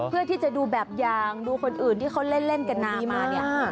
เพื่อที่จะดูแบบอย่างดูคนอื่นที่เขาเล่นกันดีมาเนี่ย